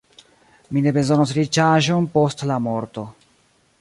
Mi ne bezonos riĉaĵon post la morto.